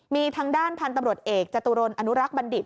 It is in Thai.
มีทางด้านพันธุ์ตำรวจเอกจตุรนอนุรักษ์บัณฑิต